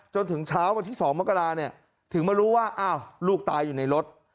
จนถึงเช้าวันที่๒มกราเนี่ยถึงมารู้ว่าอ้าวลูกตายอยู่ในรถ